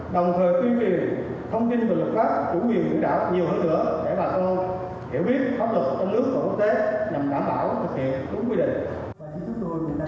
đồng thời tuyên truyền thông tin về lực lắp chủ quyền biển đảo nhiều hơn nữa để bà sơn hiểu biết pháp luật trên nước và quốc tế nhằm đảm bảo thực hiện đúng quy định